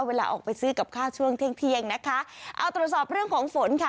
เวลาออกไปซื้อกับข้าวช่วงเที่ยงเที่ยงนะคะเอาตรวจสอบเรื่องของฝนค่ะ